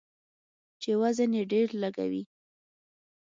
چې وزن یې ډیر لږوي.